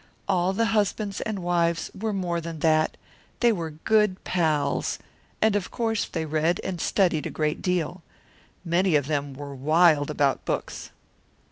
All the husbands and wives were more than that they were good pals; and of course they read and studied a great deal. Many of them were wild about books.